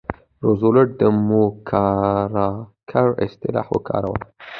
روزولټ د موکراکر اصطلاح وکاروله.